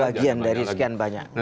sebagian dari sekian banyak